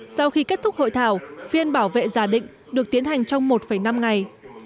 sau khi kết thúc hội thảo phiên bảo vệ giả định được tiến hành trong một năm ngày